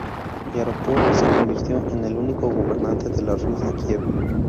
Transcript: Yaropolk se convirtió en el único gobernante de la Rus de Kiev.